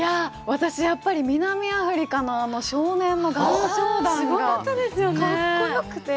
私、やっぱり南アフリカの少年の合唱団がかっこよくて。